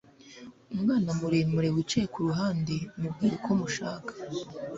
Umwana muremure wicaye kuruhande mubwireko mushaka